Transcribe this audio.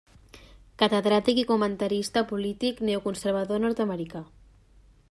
Catedràtic i comentarista polític neoconservador nord-americà.